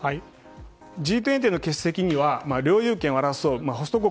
Ｇ２０の欠席には領有権を争うホスト国